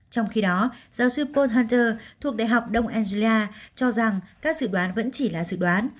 trong khi đó giáo sư paul hunter thuộc đại học đông anglia cho rằng các dự đoán vẫn chỉ là dự đoán